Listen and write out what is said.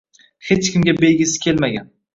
– hech kimga bergisi kelmagan